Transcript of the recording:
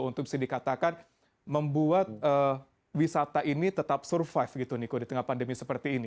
untuk bisa dikatakan membuat wisata ini tetap survive gitu niko di tengah pandemi seperti ini